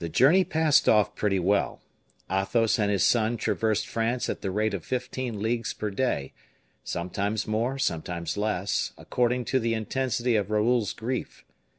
The journey passed off pretty well. Athos and his son traversed France at the rate of fifteen leagues per day; sometimes more, sometimes less, according to the intensity of Raoul's grief.